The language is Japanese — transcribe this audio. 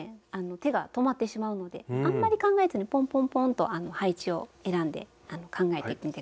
手が止まってしまうのであんまり考えずにポンポンポンと配置を選んで考えてみて下さいね。